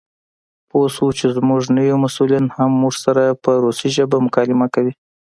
پوه شوو چې زموږ نوي مسؤلین هم موږ سره په روسي ژبه مکالمه کوي.